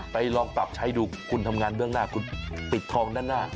ลองปรับใช้ดูคุณทำงานเบื้องหน้าคุณปิดทองด้านหน้า